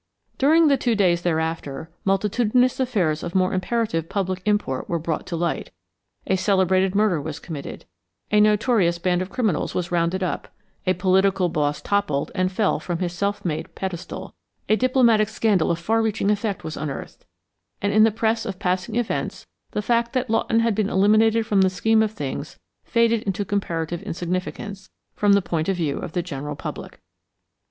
During the two days thereafter, multitudinous affairs of more imperative public import were brought to light; a celebrated murder was committed; a notorious band of criminals was rounded up; a political boss toppled and fell from his self made pedestal; a diplomatic scandal of far reaching effect was unearthed, and in the press of passing events, the fact that Lawton had been eliminated from the scheme of things faded into comparative insignificance, from the point of view of the general public.